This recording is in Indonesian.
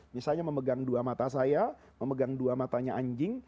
misalnya memegang dua mata saya memegang dua matanya anjing